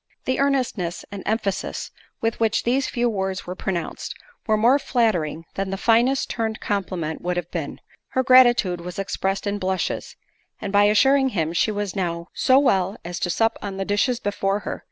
The earnestness and emphasis with which these few words were pronounced, were more flattering than the finest turned compliment would have been; her gratitude was expressed in blushes, and by assuring him she was now "So well, as to sup on the dishes before her."